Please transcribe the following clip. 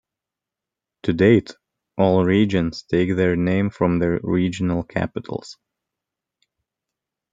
To date, all regions take their name from their regional capitals.